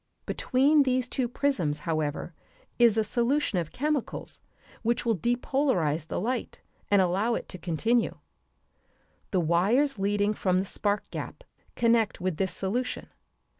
Between these two prisms, however, is a solution of chemicals which will depolarize the light and allow it to continue. The wires leading from the spark gap connect with this solution.